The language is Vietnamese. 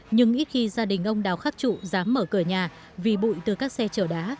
nhưng ít khi gia đình ông đào khắc trụ dám mở cửa nhà vì bụi từ các xe chở đá